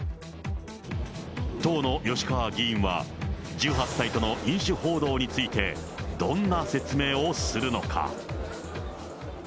当の吉川議員は、１８歳との飲酒報道について、どんな説明をするのか。